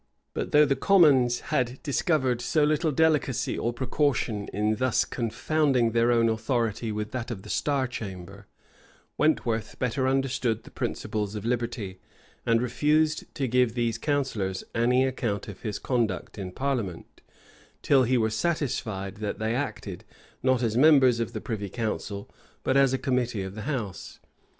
But though the commons had discovered so little delicacy or precaution in thus confounding their own authority with that of the star chamber, Wentworth better understood the principles of liberty, and refused to give these counsellors any account of his conduct in parliament, till he were satisfied that they acted, not as members of the privy council, but as a committee of the house.